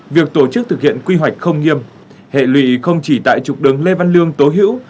việc tổ chức thực hiện quy hoạch không nghiêm hệ lụy không chỉ tại trục đường lê văn lương tố hữu